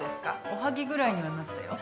おはぎぐらいにはなったよ。